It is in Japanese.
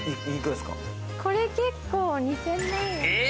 これ結構２０００万円。え！